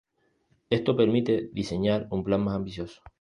Esto permite diseñar un plan más ambicioso.